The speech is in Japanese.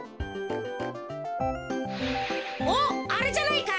おっあれじゃないか？